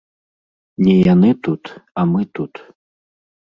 Не яны тут, а мы тут!